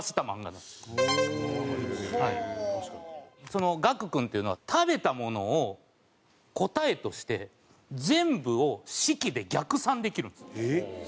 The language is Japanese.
その岳君っていうのは食べたものを答えとして全部を式で逆算できるんです。